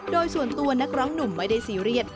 โดยส่วนตัวนักร้องหนุ่มไม่ได้ซีเรียส